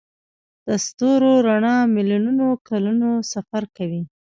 د ستورو رڼا میلیونونه کلونه سفر کوي.